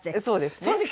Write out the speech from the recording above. そうですね。